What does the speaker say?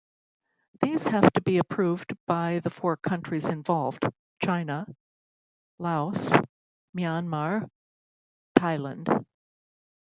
These have to be approved by the four countries involved, China, Laos, Myanmar, Thailand.